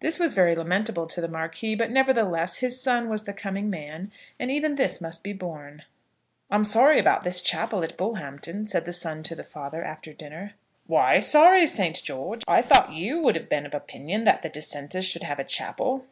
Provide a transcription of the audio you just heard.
This was very lamentable to the Marquis; but nevertheless, his son was the coming man, and even this must be borne. "I'm sorry about this chapel at Bullhampton," said the son to the father after dinner. "Why sorry, Saint George? I thought you would have been of opinion that the dissenters should have a chapel."